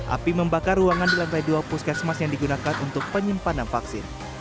api membakar ruangan di lantai dua puskesmas yang digunakan untuk penyimpanan vaksin